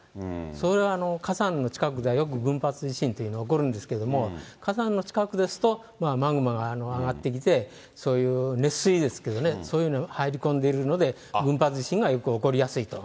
それは火山の近くでは、よく群発地震というのは起こるんですけれども、火山の近くですと、マグマが上がってきて、そういう熱水ですけどね、そういうのが入り込んでいるので、群発地震がよく起こりやすいと。